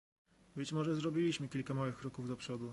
Być może zrobiliśmy kilka małych kroków do przodu